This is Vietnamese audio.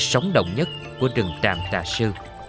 sống động nhất của rừng trạm tà sư